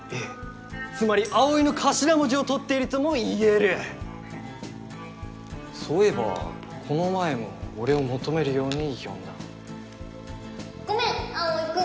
つまり葵の頭文字を取っているともいえるそういえばこの前も俺を求めるように呼んだごめん葵君